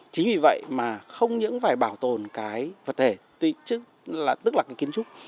chính vì vậy mà không những phải bảo tồn cái vật thể tức là cái kiến trúc